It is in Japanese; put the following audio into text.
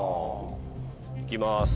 いきます